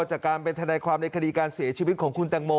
จากการเป็นทนายความในคดีการเสียชีวิตของคุณตังโม